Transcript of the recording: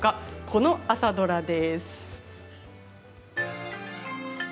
この朝ドラです。